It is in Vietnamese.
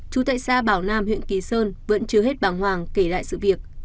chú tệ xa bảo nam huyện kỳ sơn vẫn chưa hết bằng hoàng kể lại sự việc